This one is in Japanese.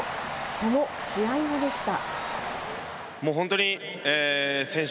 その試合後でした。